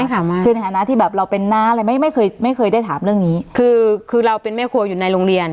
คือในฐานะที่แบบเราเป็นน้าอะไรไม่ไม่เคยไม่เคยได้ถามเรื่องนี้คือคือเราเป็นแม่ครัวอยู่ในโรงเรียน